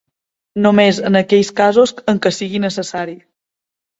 Només en aquells casos en què sigui necessari.